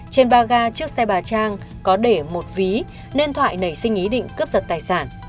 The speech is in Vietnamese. trên ba ga chiếc xe bà trang có để một ví nên thoại nảy sinh ý định cướp giật tài sản